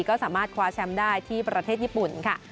ก็สามารถคว้าแชมป์ได้ที่ประเทศญี่ปุ่นค่ะ